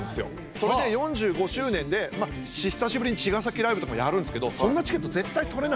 それで４５周年で久しぶりに茅ヶ崎ライブとかもやるんですけどそんなチケット絶対取れないじゃない。